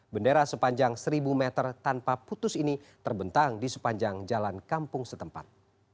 bendera sepanjang seribu meter tanpa putus ini terbentang di sepanjang jalan kampung setempat